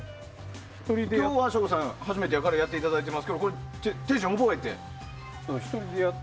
今日は省吾さんは初めてやからやっていただいてますが手順を覚えてもらって。